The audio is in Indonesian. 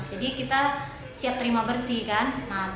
jadi kita siap terima bersih kan